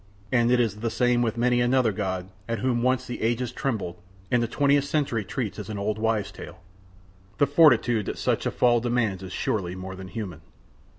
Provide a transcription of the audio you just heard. And it is the same with many another god at whom once the ages trembled and the twentieth century treats as an old wives' tale. The fortitude that such a fall demands is surely more than human.